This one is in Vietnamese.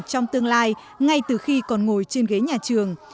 trong tương lai ngay từ khi còn ngồi trên ghế nhà trường